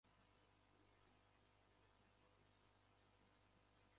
Šodien pamodos un viss vēl ir balts.